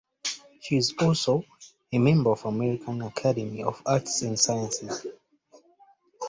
She is also a member of the American Academy of Arts and Sciences.